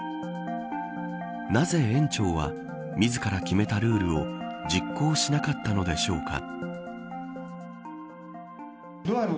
なぜ園長は自ら決めたルールを実行しなかったのでしょうか。